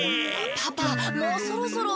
パパもうそろそろ。